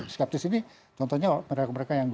skeptis ini contohnya mereka yang berhubungan